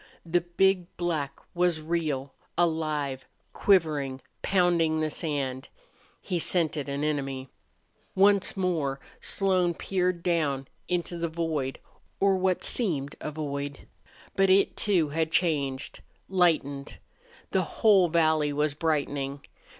The big black was real, alive, quivering, pounding the sand. He scented an enemy. Once more Slone peered down into the void or what seemed a void. But it, too, had changed, lightened. The whole valley was brightening.